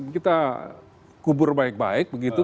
kita kubur baik baik begitu